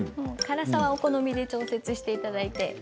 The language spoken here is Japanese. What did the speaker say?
辛さはお好みで調節していただいて。